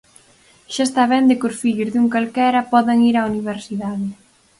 Xa está ben de que os fillos de un calquera podan ir á universidade.